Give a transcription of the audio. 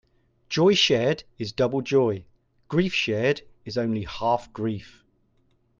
Joy shared is double joy; grief shared is only half grief.